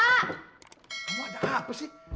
kamu ada apa sih